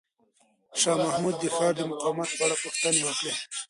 شاه محمود د ښار د مقاومت په اړه پوښتنې وکړې.